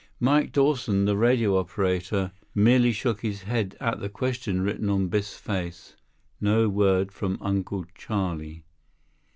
Mike Dawson, the radio operator, merely shook his head at the question written on Biff's face. No word from Uncle Charlie.